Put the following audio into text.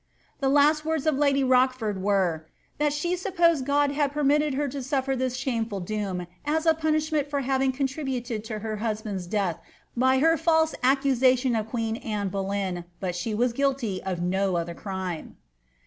''* The last words of lady Rochford were, ^ That she supposed God hid permitted her to suffer this shameful doom, as a punishment for haring contributed to her husband's death by her fiilse accusation of queen Anne Boleynt but she wis guilty of no other crime."